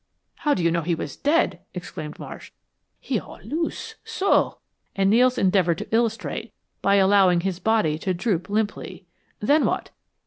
"How did you know he was dead?" exclaimed Marsh. "He all loose so," and Nels endeavored to illustrate by allowing his body to droop limply. "Then what?"